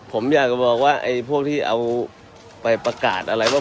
ผมอยากจะบอกว่าไอ้พวกที่เอาไปประกาศอะไรว่า